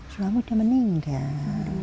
suami udah meninggal